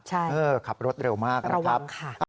ใช่ระวังค่ะขับรถเร็วมากนะครับ